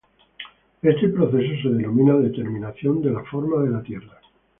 Este proceso se denomina "determinación de la forma de la Tierra".